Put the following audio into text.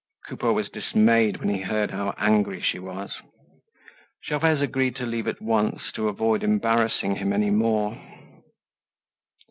Coupeau was dismayed when he heard how angry she was. Gervaise agreed to leave at once to avoid embarrassing him any more.